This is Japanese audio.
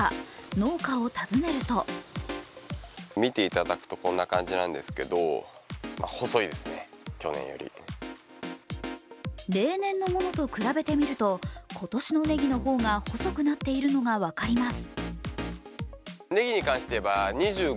農家を訪ねると例年のものと比べてみると今年のねぎの方が細くなっているのが分かります。